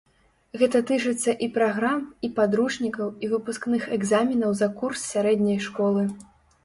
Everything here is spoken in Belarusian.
Гэта тычыцца і праграм, і падручнікаў, і выпускных экзаменаў за курс сярэдняй школы.